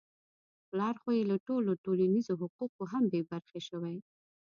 پلار خو يې له ټولو ټولنیزو حقوقو هم بې برخې شوی.